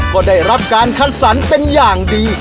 ก็ได้รับการคัดสรรเป็นอย่างดี